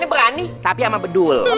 berani tapi sama bedul